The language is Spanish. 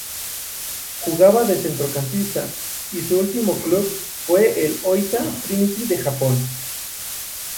Jugaba de centrocampista y su último club fue el Oita Trinity de Japón.